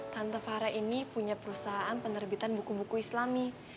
tante fara ini punya perusahaan penerbitan buku buku islami